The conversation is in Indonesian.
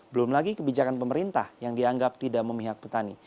belum lagi kebijakan pemerintah yang dianggap tidak memihak petani